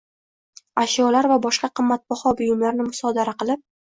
ashyolar va boshqa qimmatbaho buyumlarni musodara qilib